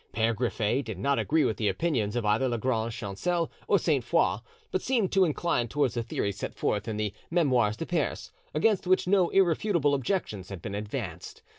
Pere Griffet did not agree with the opinions of either Lagrange Chancel or Sainte Foix, but seemed to incline towards the theory set forth in the 'Memoires de Perse', against which no irrefutable objections had been advanced.